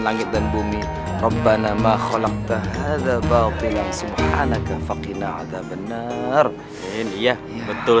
langit dan bumi rabbana makhluk terhadap bau bilang subhanaka faqina a'zab benar ini ya betul